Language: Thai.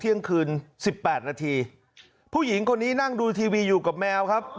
เที่ยงคืนสิบแปดนาทีผู้หญิงคนนี้นั่งดูทีวีอยู่กับแมวครับ